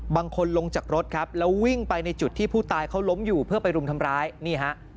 ลงจากรถครับแล้ววิ่งไปในจุดที่ผู้ตายเขาล้มอยู่เพื่อไปรุมทำร้ายนี่ฮะ